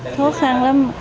thuốc khăn lắm